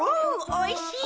おいしい！